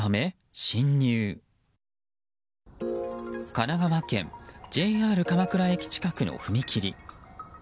神奈川県ＪＲ鎌倉駅近くの踏切。